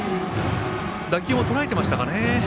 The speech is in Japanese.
打撃もとらえていましたかね。